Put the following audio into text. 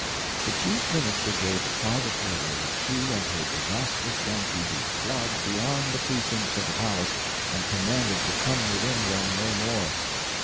The chief minister gave a private order that she and her disastrous donkey be flogged beyond the precincts of the palace and commanded to come within them no more.